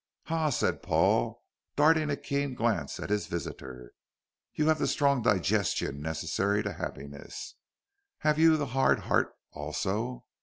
"Ha!" said Paul, darting a keen glance at his visitor, "you have the strong digestion necessary to happiness. Have you the hard heart also?